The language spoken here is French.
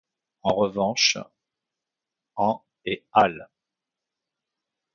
En revanche, Han et al.